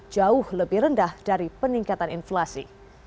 jauh lebih rendah dari peningkatan inflasi